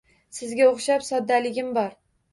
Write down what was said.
Sizga o’xshab, soddaligim bor.